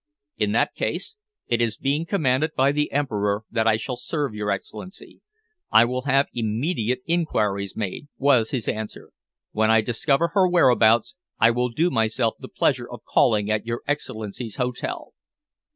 "In that case, it being commanded by the Emperor that I shall serve your Excellency, I will have immediate inquiries made," was his answer. "When I discover her whereabouts, I will do myself the pleasure of calling at your Excellency's hotel."